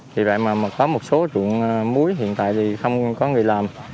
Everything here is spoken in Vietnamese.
vì vậy mà có một số ruộng muối hiện tại thì không có người làm